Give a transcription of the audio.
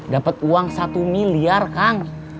dapat uang satu miliar kang